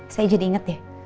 saya jadi inget ya